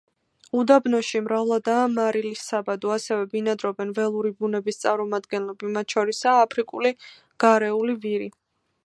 უდაბნოში მრავლადაა მარილის საბადო, ასევე ბინადრობენ ველური ბუნების წარმომადგენლები, მათ შორისაა აფრიკული გარეული ვირი.